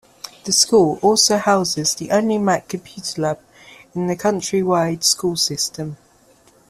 The school also houses the only Mac computer lab in the county-wide school system.